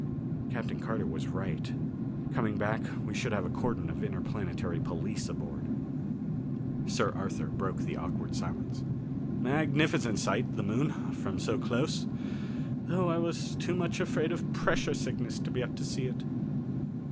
Captain Carter was right. Coming back we should have a cordon of Interplanetary Police aboard. Sir Arthur broke the awkward silence. "Magnificent sight, the Moon, from so close though I was too much afraid of pressure sickness to be up to see it."